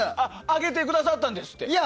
揚げてくださったんですって。